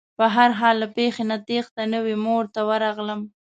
په هر حال له پېښې نه تېښته نه وه مور ته ورغلم.